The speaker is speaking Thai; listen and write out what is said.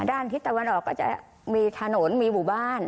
ด้านทิศตะวันออกก็จะมีถนนมีหมู่บ้าน